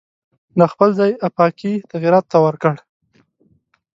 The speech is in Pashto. دا خپل ځای آفاقي تغییراتو ته ورکړ.